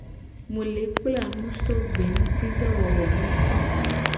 Mu le kpla nu so gbengutidowowo nguti.